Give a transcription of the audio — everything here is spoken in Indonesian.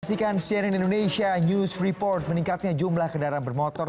saksikan siena indonesia news report meningkatnya jumlah kendaraan bermotor